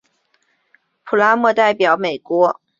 普拉默代表美国参加过世界游泳锦标赛。